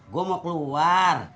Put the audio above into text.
gue mau keluar